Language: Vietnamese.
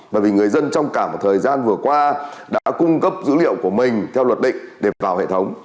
bởi vì người dân trong cả một thời gian vừa qua đã cung cấp dữ liệu của mình theo luật định để vào hệ thống